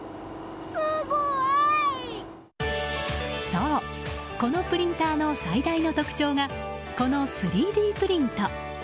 そう、このプリンターの最大の特徴が、この３Ｄプリント。